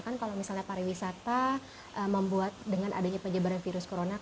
kan kalau misalnya pariwisata membuat dengan adanya penyebaran virus corona